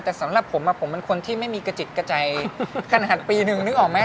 แต่สำหรับผมผมเป็นคนที่ไม่มีกระจิตกระใจขนาดปีนึงนึกออกไหม